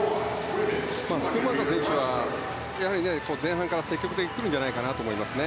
スクンマーカー選手はやはり、前半から積極的に来るんじゃないかなと思います。